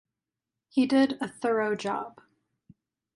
He did a thorough job.